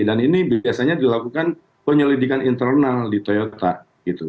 dan ini biasanya dilakukan penyelidikan internal di toyota gitu